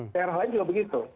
daerah lain juga begitu